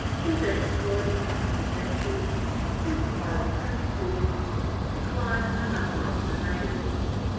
His Exploits and Misadventures. His Moral Principles. Decline in the Number of the Natives.